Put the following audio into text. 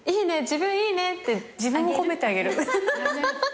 自分いいね！って自分を褒めてあげる。